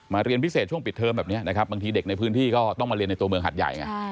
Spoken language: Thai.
เรียนพิเศษช่วงปิดเทอมแบบนี้นะครับบางทีเด็กในพื้นที่ก็ต้องมาเรียนในตัวเมืองหัดใหญ่ไง